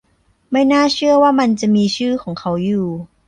ไม่น่าเชื่อว่ามันจะมีชื่อของเขาอยู่